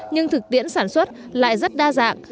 nhưng thực tiễn sản xuất lại rất đa dạng